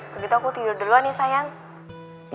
begitu aku tidur duluan nih sayang